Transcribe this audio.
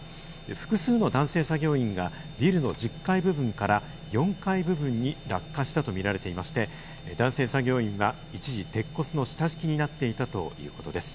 複数の男性作業員がビルの１０階部分から４階部分に落下したと見られていまして、男性作業員は一時、鉄骨の下敷きになっていたということです。